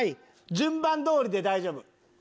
順番どおりで大丈夫。